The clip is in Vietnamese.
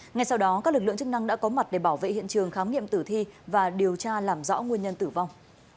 ngay sau đó các lực lượng chức năng đã có mặt để bảo vệ hiện trường khám nghiệm tử thi và điều tra làm rõ nguyên nhân tử vong